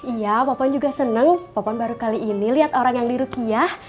iya popon juga senang popon baru kali ini lihat orang yang di rukyah